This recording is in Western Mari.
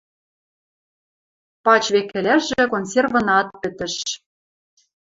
Пач векӹлӓжӹ консервынаат пӹтӹш.